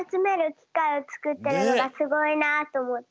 きかいをつくってるのがすごいなとおもった。